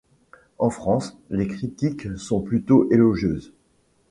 En France, les critiques sont plutôt élogieuses.